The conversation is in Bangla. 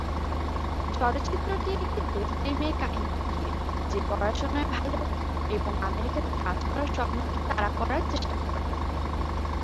চলচ্চিত্রটির একটি বস্তির মেয়ের কাহিনীকে ঘিরে, যে পড়াশুনায় ভালো এবং আমেরিকাতে কাজ করার স্বপ্নকে তাড়া করার চেষ্টা করে।